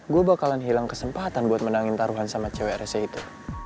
gue bakalan hilang kesempatan buat menangin taruhan sama cewek itu